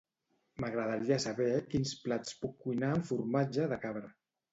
M'agradaria saber quins plats puc cuinar amb formatge de cabra.